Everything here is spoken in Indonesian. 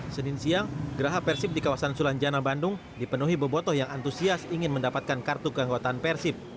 senin siang geraha persib di kawasan sulanjana bandung dipenuhi bobotoh yang antusias ingin mendapatkan kartu keanggotaan persib